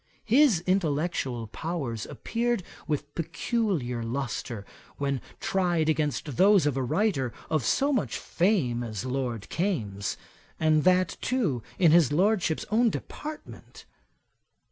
His intellectual powers appeared with peculiar lustre, when tried against those of a writer of so much fame as Lord Kames, and that too in his Lordship's own department.